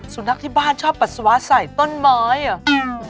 สุนัขที่บ้านชอบปัสสาวะใส่ต้นไม้เหรอ